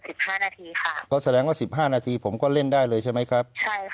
ห้านาทีค่ะก็แสดงว่าสิบห้านาทีผมก็เล่นได้เลยใช่ไหมครับใช่ค่ะ